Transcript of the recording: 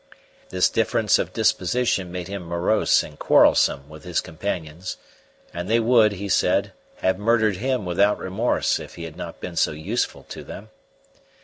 This difference of disposition made him morose and quarrelsome with his companions; and they would, he said, have murdered him without remorse if he had not been so useful to them.